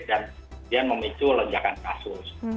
dan kemudian memicu lejakan kasus